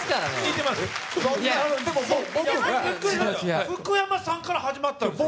いやでも僕が福山さんから始まったんですよ